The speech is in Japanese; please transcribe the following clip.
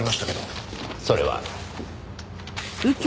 それは。